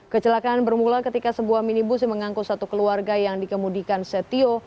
kecelakaan bermula ketika sebuah minibus yang mengangkut satu keluarga yang dikemudikan setio